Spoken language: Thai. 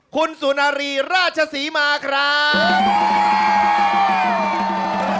คุณสุนารีราชศรีมาครับ